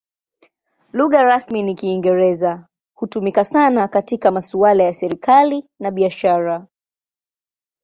Lugha rasmi ni Kiingereza; hutumika sana katika masuala ya serikali na biashara.